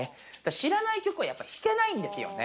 知らない曲はやっぱり弾けないんですよね、